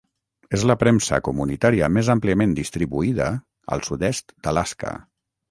És la premsa comunitària més àmpliament distribuïda al sud-est d'Alaska.